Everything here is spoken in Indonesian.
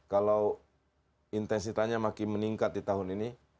kalau intensitasnya makin meningkat di tahun ini